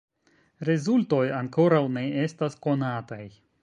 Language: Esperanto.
Rezultoj ankoraŭ ne estas konataj.